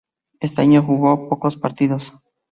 Ese año, jugó pocos partidos.